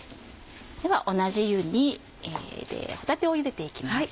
では同じ湯で帆立をゆでていきます。